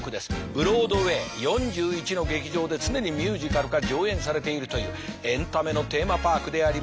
ブロードウェイ４１の劇場で常にミュージカルが上演されているというエンタメのテーマパークであります。